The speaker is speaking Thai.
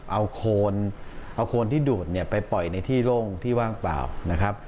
เอาโคนเอาโคนที่ดูดเนี่ยไปปล่อยในที่โล่งที่ว่างเปล่านะครับ